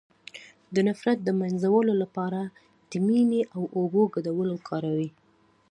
د نفرت د مینځلو لپاره د مینې او اوبو ګډول وکاروئ